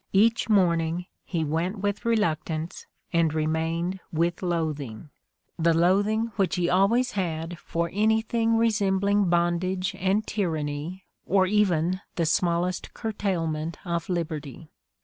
Each morning he went with reluctance and remained with loathing — the loathing which he always had for anything resembling bondage and tyranny or even the smallest curtailment of lib erty."